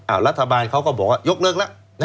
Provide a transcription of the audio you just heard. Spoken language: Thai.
รัฐบาลเขาก็บอกว่ายกเลิกแล้ว